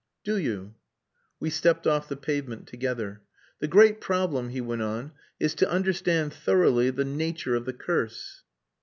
"Do you?" We stepped off the pavement together. "The great problem," he went on, "is to understand thoroughly the nature of the curse."